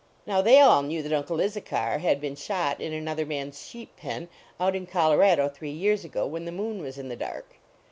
Now, they all knew that Uncle Issachar had been shot in another man s sheep pen, out in Colorado, three years ago, when the moon was in the dark.